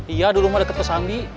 iya dulu ma deket pesandi